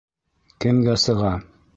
Кемгә сыға?